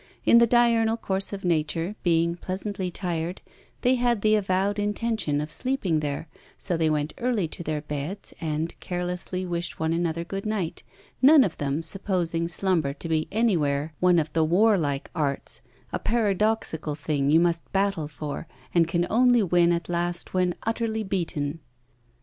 In the diurnal course of nature, being pleasantly tired, they had the avowed intention of sleeping there; so they went early to their beds, and carelessly wished one another good night, none of them supposing slumber to be anywhere one of the warlike arts, a paradoxical thing you must battle for and can only win at last when utterly beaten.